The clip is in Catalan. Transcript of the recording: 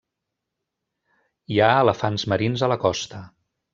Hi ha elefants marins a la costa.